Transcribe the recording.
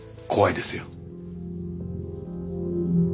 怖いですよ。